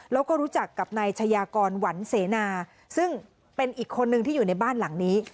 แล้วก็รู้จักกับนายชายากรหวันเสนาซึ่งเป็นอีกคนนึงที่อยู่ในบ้านหลังนี้